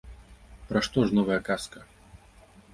Пра што ж новая казка?